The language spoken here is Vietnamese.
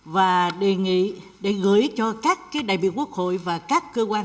và đề nghị để gửi cho các đại biểu quốc hội và các cơ quan